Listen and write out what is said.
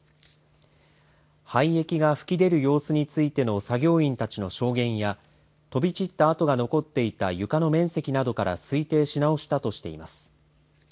廃液が噴き出る様子についての作業員たちの証言や飛び散った跡が残っていた床の面積などから推定し直したとしています。